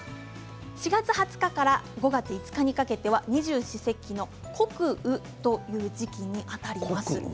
４月２０日から５月５日までは二十四節気の１つ穀雨という時期にあたります。